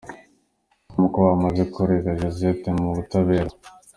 com ko bamaze kurega Josette mu butabera.